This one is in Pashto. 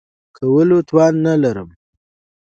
کولو توان نه لرم .